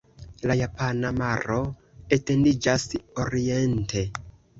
La Japana Maro etendiĝas oriente.